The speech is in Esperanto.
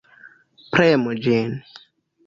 Premu ĝin.